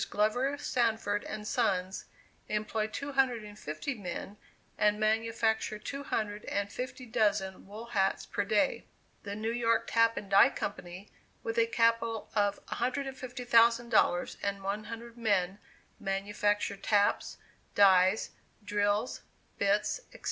Glover Sanford and Sons, employ two hundred and fifty men, and manufacture two hundred and fifty dozen wool hats per day. The New York Tap and Die Company, with a capital of $150,000, and one hundred men, manufacture taps, dies, drills, bits, etc.